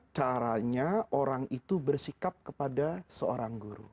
caranya orang itu bersikap kepada seorang guru